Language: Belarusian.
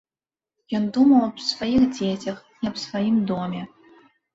Ён думаў аб сваіх дзецях і аб сваім доме.